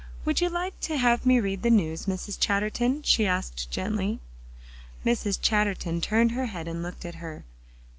"Would you like to have me read the news, Mrs. Chatterton?" she asked gently. Mrs. Chatterton turned her head and looked at her.